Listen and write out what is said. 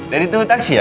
dari itu taksi ya